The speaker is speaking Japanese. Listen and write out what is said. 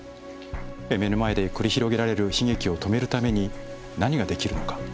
目の前で繰り広げられる悲劇を止めるために何ができるのか。